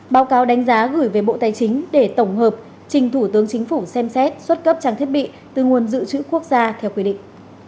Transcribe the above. báo cáo đánh giá gửi về bộ tài chính để tổng hợp trình thủ tướng chính phủ xem xét xuất cấp trang thiết bị từ nguồn dự trữ quốc gia theo quy định